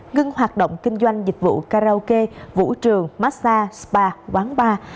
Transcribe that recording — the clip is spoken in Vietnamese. ngưng hoạt động kinh doanh dịch vụ karaoke vũ trường massage spa quán bar